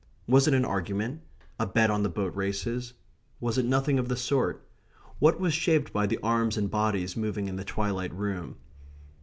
Was it an argument? A bet on the boat races? Was it nothing of the sort? What was shaped by the arms and bodies moving in the twilight room?